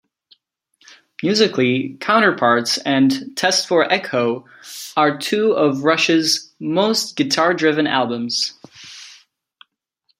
Musically, "Counterparts" and "Test For Echo" are two of Rush's most guitar-driven albums.